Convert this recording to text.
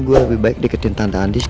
gue lebih baik diketin tante andis